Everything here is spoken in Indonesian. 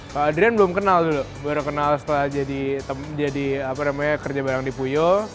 pak adrian belum kenal dulu baru kenal setelah jadi kerja bareng di puyo